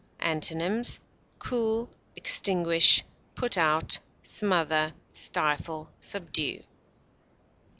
Antonyms: cool, extinguish, put out, smother, stifle, subdue.